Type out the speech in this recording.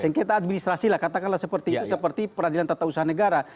sengketa administrasi lah katakanlah seperti itu seperti peradilan tata usaha negara